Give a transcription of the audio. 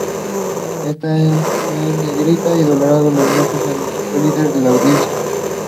This was expected to improve efficiency and reliability.